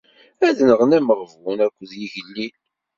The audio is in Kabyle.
Ad nɣen ameɣbun akked yigellil.